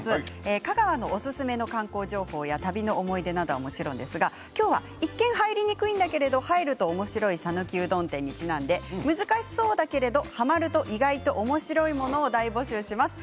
香川のおすすめの観光情報や旅の思い出などはもちろんですが今日は一見入りにくいんだけど入るとおもしろいさぬきうどん店にちなんで難しそうだけれどはまると意外とおもしろいものを大募集します。